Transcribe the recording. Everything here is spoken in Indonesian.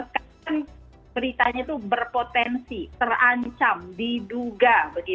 jadi sekarang beritanya itu berpotensi terancam diduga